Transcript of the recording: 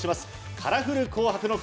カラフル「紅白」の顔！